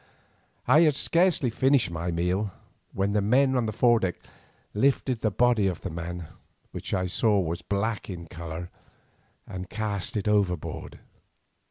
I had scarcely finished my meal when the men on the foredeck lifted the body of the man, which I saw was black in colour, and cast it overboard.